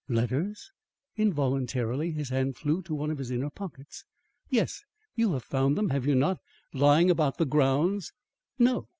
"Letters?" Involuntarily his hand flew to one of his inner pockets. "Yes, you have found them, have you not, lying about the grounds?" "No."